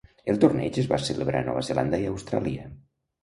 El torneig es va celebrar a Nova Zelanda i Austràlia.